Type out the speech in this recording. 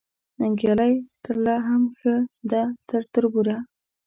ننګیالۍ ترله هم ښه ده تر تربوره